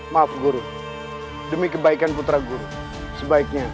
maaf guru demi kebaikan putra guru sebaiknya